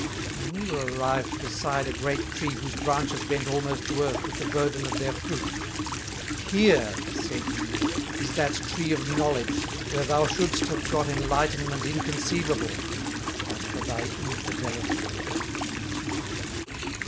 When we were arrived beside a great Tree whose branches bent almost to Earth with the burden of their Fruit, "Here," said he, "is that Tree of Knowledge where thou shouldst have got Enlightenment inconceivable, but for thy Infidelity."